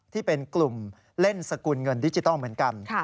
ที่เป็นกลุ่มเล่นสกุลเงินดิจิทัลเหมือนกัน